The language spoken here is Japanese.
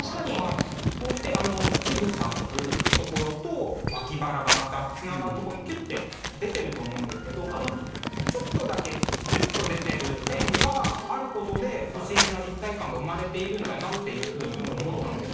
そしてあの乳房のところと脇腹がまたつながるとこにキュッて出てると思うんですけどこのちょっとだけキュッと出てる線があることで不思議な立体感が生まれているんだなっていうふうに思ったんです。